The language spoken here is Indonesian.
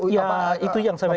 ya itu yang saya bilang